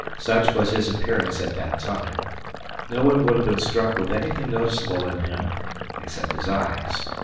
Such was his appearance at that time. No one would have been struck with anything noticeable in him except his eyes.